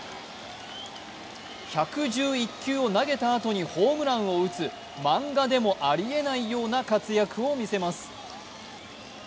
１１１球を投げたあとにホームランを打つ漫画でもありえないような活躍を見せます。